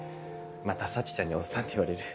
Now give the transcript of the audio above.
また沙智ちゃんにおっさんって言われる。